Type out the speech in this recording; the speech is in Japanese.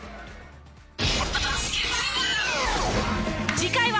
次回は。